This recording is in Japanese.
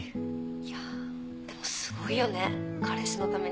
いやでもすごいよね彼氏のためにそこまで。